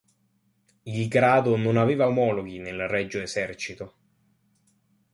Il grado non aveva omologhi nel Regio Esercito.